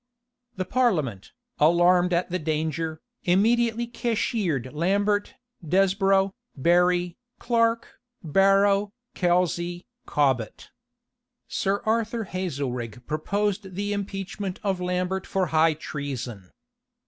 The parliament, alarmed at the danger, immediately cashiered Lambert, Desborow, Berry, Clarke, Barrow, Kelsey, Cobbet. Sir Arthur Hazelrig proposed the impeachment of Lambert for high treason.